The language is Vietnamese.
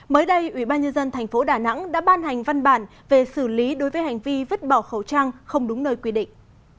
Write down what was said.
mới đây ubnd tp đà nẵng đã ban hành văn bản về xử lý đối với hành vi vứt bỏ khẩu trang không đúng nơi quy định